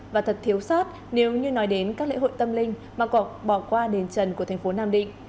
và thật thiếu sát nếu như nói đến các lễ hội tâm linh mà cọc bỏ qua đền trần của thành phố nam định